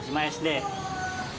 masih mahasiswa sd